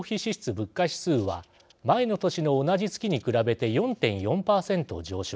物価指数は前の年の同じ月に比べて４．４％上昇